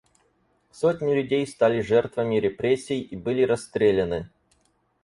Сотни людей стали жертвами репрессий и были расстреляны.